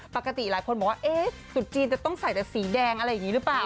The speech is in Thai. ปกติหลายคนบอกว่าเอ๊ะสุดจีนจะต้องใส่แต่สีแดงอะไรอย่างนี้หรือเปล่า